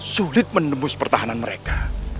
sulit menembus pertahanan mereka